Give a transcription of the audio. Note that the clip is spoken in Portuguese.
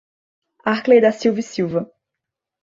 Arkley da Silva E Silva